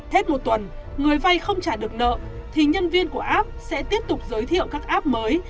hết một tuần người vay không trả được nợ thì nhân viên của app sẽ tiếp tục giới thiệu các app mới